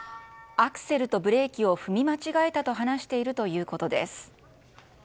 アクセルとブレーキを踏み間違えたと話しているということです。